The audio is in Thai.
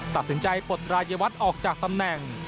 ตัดสินใจปลดรายวัตรออกจากตำแหน่ง